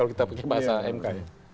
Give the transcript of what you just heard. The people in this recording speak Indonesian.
kita pakai bahasa mkm